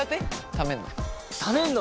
ためるの。